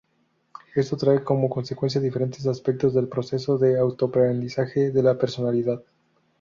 Esto trae como consecuencia diferentes aspectos del proceso de autoaprendizaje de la personalidad.